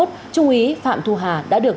trung úy phạm thu hà đã được